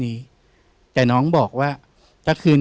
พี่น้องรู้ไหมว่าพ่อจะตายแล้วนะ